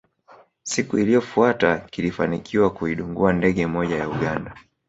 Siku iliyofuata kilifanikiwa kuidungua ndege moja ya Uganda